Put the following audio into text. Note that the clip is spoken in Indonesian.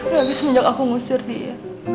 lagi semenjak aku ngusir dia